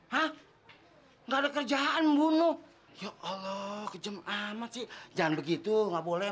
hah enggak ada kerjaan bunuh ya allah kejem amat sih jangan begitu nggak boleh